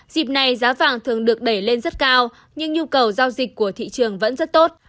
dịp này giá vàng thường được đẩy lên rất cao nhưng nhu cầu giao dịch của thị trường vẫn rất tốt